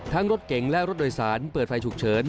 รถเก่งและรถโดยสารเปิดไฟฉุกเฉิน